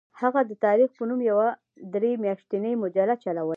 هغه د تاریخ په نوم یوه درې میاشتنۍ مجله چلوله.